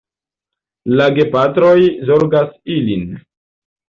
La gepatroj zorgas ilin.